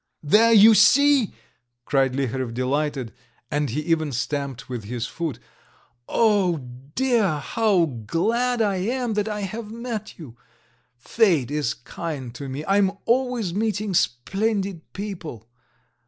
"There, you see," cried Liharev delighted, and he even stamped with his foot. "Oh dear! How glad I am that I have met you! Fate is kind to me, I am always meeting splendid people.